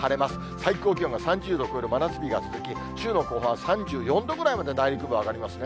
最高気温が３０度を超える真夏日が続き、週の後半は３４度ぐらいまで内陸部上がりますね。